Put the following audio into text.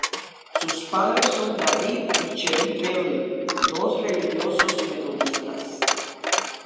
Sus padres son David y Cherie Bentley, dos religiosos metodistas.